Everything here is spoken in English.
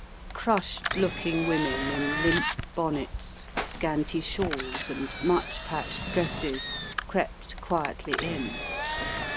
Crushed looking women in limp bonnets, scanty shawls, and much patched dresses crept quietly in.